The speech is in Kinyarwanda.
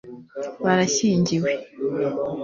barashyingiwe